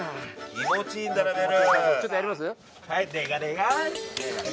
気持ちいいんだなベル。